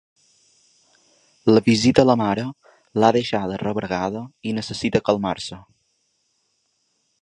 La visita a la mare l’ha deixada rebregada i necessita calmar-se.